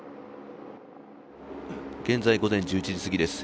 現在、午前１１時すぎです。